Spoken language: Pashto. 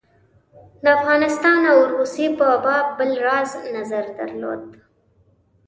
د افغانستان او روسیې په باب بل راز نظر درلود.